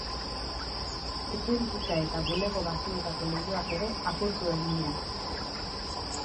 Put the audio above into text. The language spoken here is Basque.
Etxebizitza eta bulego batzuetako leihoak ere apurtu egin dira.